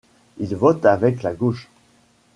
Il vote avec la gauche.